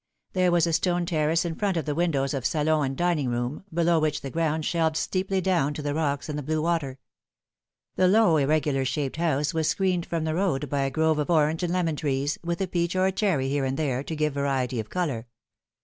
There was a stone terrace in front of the windows of salon and dining room, below which the ground shelved steeply down to the rocks and the blue water. The low irregnlar shaped house was screened from the road by a grove of orange and lemon trees, with a peach or a cherry here and there to give variety of colour.